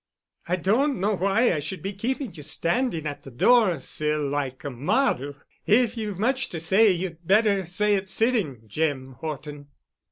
"I don't know why I should be keeping you standing on the door sill—like a model. If you've much to say you'd better say it sitting, Jim Horton."